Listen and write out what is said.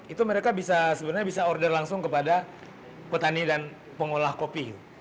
itu mereka bisa sebenarnya bisa order langsung kepada petani dan pengolah kopi